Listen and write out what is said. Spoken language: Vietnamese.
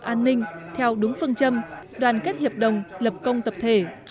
an ninh theo đúng phương châm đoàn kết hiệp đồng lập công tập thể